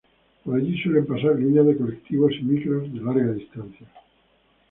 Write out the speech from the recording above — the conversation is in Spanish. Por allí suelen pasar líneas de colectivos y micros de larga distancia.